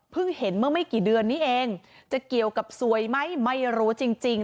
เห็นเมื่อไม่กี่เดือนนี้เองจะเกี่ยวกับสวยไหมไม่รู้จริง